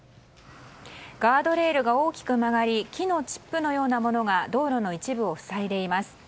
ガードレールが大きく曲がり木のチップのようなものが道路の一部を塞いでいます。